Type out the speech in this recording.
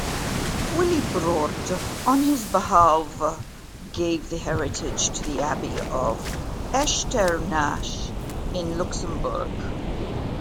Wilibrord on his behalve gave the heritage to the Abbey of Echternach in Luxembourg.